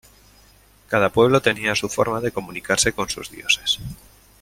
Cada pueblo tenía su forma de comunicarse con sus dioses.